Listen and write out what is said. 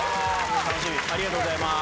ありがとうございます。